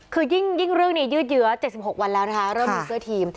คือยิ่งเรื่องนี้ยืดเยื้อ๗๖วันแล้วนะคะเริ่มมีเสื้อทีม